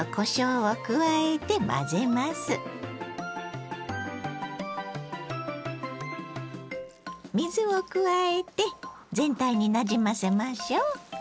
水を加えて全体になじませましょう。